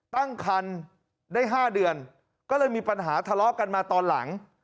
ตั้งคันได้๕เดือนก็เลยมีปัญหาทะเลาะกันมาตอนหลัง